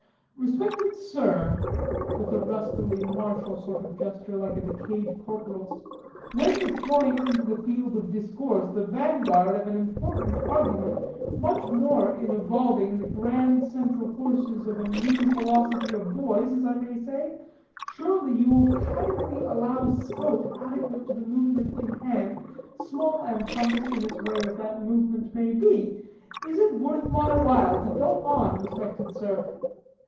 "Respected sir," with a rustily martial sort of gesture, like a decayed corporal's, "when deploying into the field of discourse the vanguard of an important argument, much more in evolving the grand central forces of a new philosophy of boys, as I may say, surely you will kindly allow scope adequate to the movement in hand, small and humble in its way as that movement may be. Is it worth my while to go on, respected sir?"